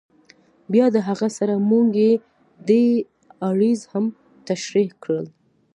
بیا د هغه سره مونږ پی ډی آریز هم تشریح کړل.